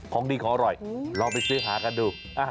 ของดีของอร่อยลองไปซื้อหากันดู